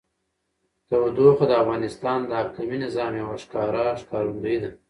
تودوخه د افغانستان د اقلیمي نظام یوه ښکاره ښکارندوی ده.